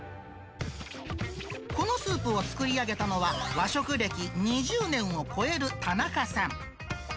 このスープを作り上げたのは、和食歴２０年を超える田中さん。